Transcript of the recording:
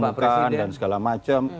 dipertemukan dan segala macam